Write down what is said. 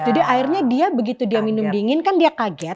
jadi akhirnya dia begitu dia minum dingin kan dia kaget